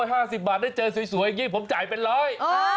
๕๐บาทได้เจอสวยอย่างนี้ผมจ่ายเป็นร้อย